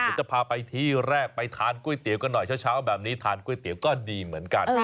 เดี๋ยวจะพาไปที่แรกไปทานก๋วยเตี๋ยวกันหน่อยเช้าแบบนี้ทานก๋วยเตี๋ยวก็ดีเหมือนกัน